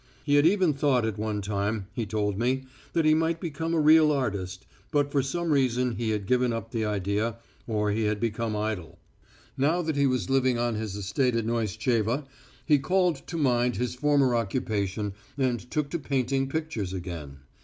He had even thought at one time, he told me, that he might become a real artist, but for some reason he had given up the idea, or he had become idle. Now he was living on his estate at Pneestcheva, he called to mind his former occupation and took to painting pictures again.